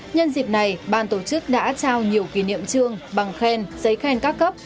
nhân dịp này ban tổ chức đã trao nhiều kỷ niệm trương bằng khen giấy khen các cấp